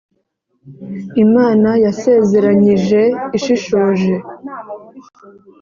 Imana yasezeranyije ishishoje !".